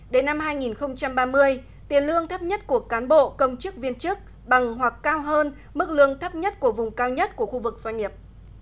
đến năm hai nghìn ba mươi tiền lương thấp nhất của cán bộ công chức viên chức bằng hoặc cao hơn mức lương thấp nhất của vùng cao nhất của khu vực doanh nghiệp